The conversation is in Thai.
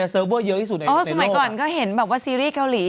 เซิร์ฟเวอร์เยอะที่สุดในอ๋อสมัยก่อนก็เห็นแบบว่าซีรีส์เกาหลี